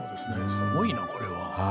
すごいなこれは。